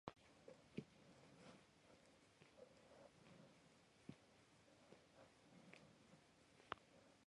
Cowan put it this way: the harder the enforcement, the harder the drugs.